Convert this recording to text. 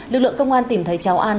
lực lượng công an tìm thấy cháu an